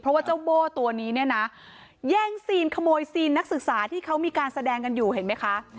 เพราะว่าเจ้าโบ้ตัวนี้เนี่ยนะแย่งซีนขโมยซีนนักศึกษาที่เขามีการแสดงกันอยู่เห็นไหมคะ